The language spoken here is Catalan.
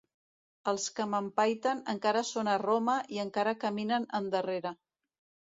Els que m'empaiten encara són a Roma i encara caminen endarrere.